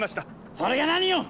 それが何よ